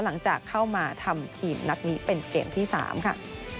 หลังจากเข้ามาทำทีมนัดนี้เป็นเกมที่๓ค่ะ